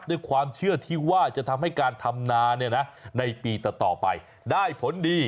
ด้วยความเชื่อที่ว่าจะทำให้การทำนาในปีต่อไปได้ผลดี